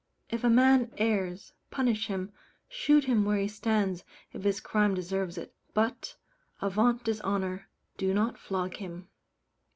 If a man errs, punish him, shoot him where he stands if his crime deserves it, but, Avaunt dishonour! do not flog him.